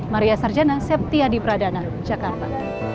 maria sarjana septiadi pradana jakarta